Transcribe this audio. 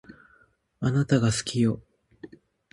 あなたが好きよ